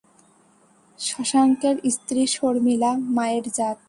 শশাঙ্কের স্ত্রী শর্মিলা মায়ের জাত।